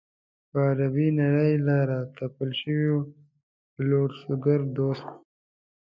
پر عربي نړۍ له را تپل شوي بلوسګر دولت.